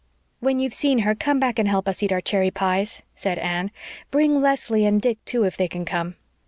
"When you've seen her come back and help us eat our cherry pies," said Anne. "Bring Leslie and Dick, too, if they can come.